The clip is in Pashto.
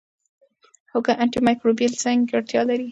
هوږه انټي مایکروبیل ځانګړتیا لري.